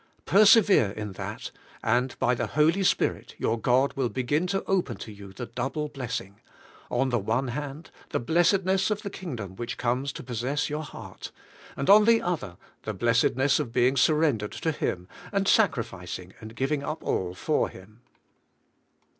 Persevere in that, and by the Holy Spirit your God will begin to open to 3^ou the double blessing: on the one hand, the blessedness of the Kingdom which comes to possess your heart; and on the other hand, the blessed ness of being surrendered to Him, and sacrificing and giving up all for Him.